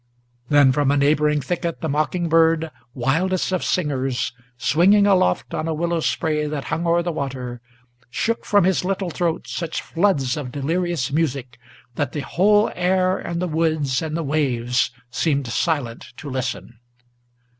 Then from a neighboring thicket the mockingbird, wildest of singers, Swinging aloft on a willow spray that hung o'er the water, Shook from his little throat such floods of delirious music, That the whole air and the woods and the waves seemed silent to listen.